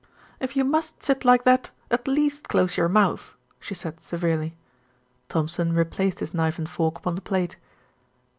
"If you must sit like that, at least close your mouth," she said severely. Thompson replaced his knife and fork upon the plate.